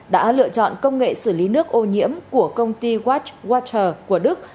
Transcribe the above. đã lựa chọn công nghệ xử lý nước ô nhiễm của công ty watt water của đức